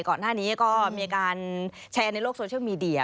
ก่อนหน้านี้ก็มีการแชร์ในโลกโซเชียลมีเดีย